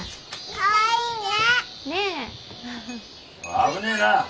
・危ねえな！